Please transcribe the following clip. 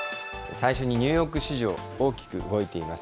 最初にニューヨーク市場、大きく動いています。